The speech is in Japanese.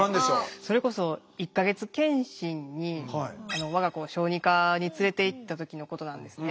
それこそ１か月検診に我が子を小児科に連れていった時のことなんですね。